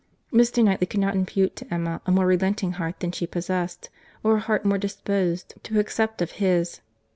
—Mr. Knightley could not impute to Emma a more relenting heart than she possessed, or a heart more disposed to accept of his.